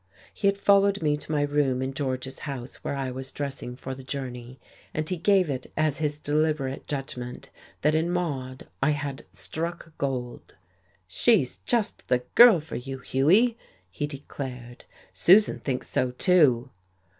He had followed me to my room in George's house where I was dressing for the journey, and he gave it as his deliberate judgment that in Maude I had "struck gold." "She's just the girl for you, Hughie," he declared. "Susan thinks so, too."